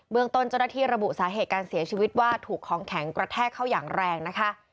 ตนเจ้าหน้าที่ระบุสาเหตุการเสียชีวิตว่าถูกของแข็งกระแทกเข้าอย่างแรงนะคะ